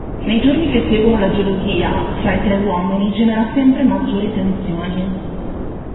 Nei giorni che seguono la gelosia fra i tre uomini genera sempre maggiori tensioni.